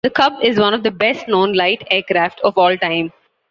The Cub is one of the best known light aircraft of all time.